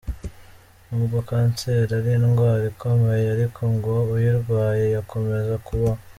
Nubwo Kanseri ari indwara ikomeye ariko ngo uyirwaye yakomeza kubaho.